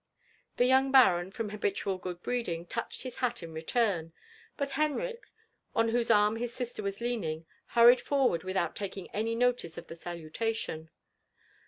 The yoimg baron, from habiiual good breeding, touched his hat in return ; but Uenrich, on whose arm his sister was leaning, hurried for ward without taking any notice of the salutation.